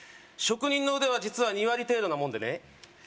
職人の腕は実は２割程度なもんでね